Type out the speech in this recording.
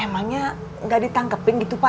emangnya nggak ditangkepin gitu pak